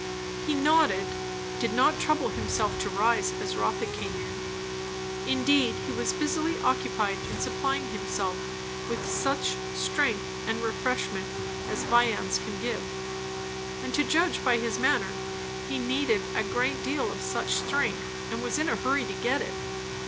He nodded, did not trouble himself to rise as Rotha came in; indeed he was busily occupied in supplying himself with such strength and refreshment as viands can give; and to judge by his manner he needed a great deal of such strength and was in a hurry to get it.